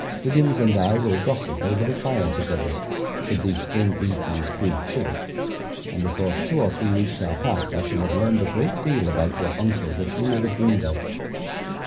Higgins and I will gossip over the fire together, should these spring evenings prove chilly, and before two or three weeks are past I shall have learned a great deal about your uncle that you never dreamed of.